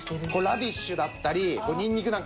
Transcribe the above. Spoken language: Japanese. ラディッシュだったりにんにくなんか。